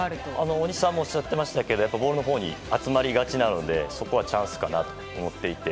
大西さんもおっしゃっていましたがボールのほうに集まりがちなのでそこはチャンスかなと思っていて。